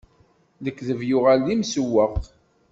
Lekdeb yuɣal d imsewweq.